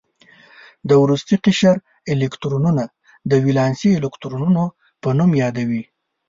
د وروستي قشر الکترونونه د ولانسي الکترونونو په نوم یادوي.